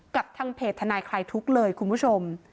กับทางเพจทนายคลายทุกข์เลยคุณผู้ชม